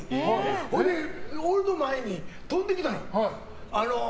ほいで、俺の前に飛んできたんや。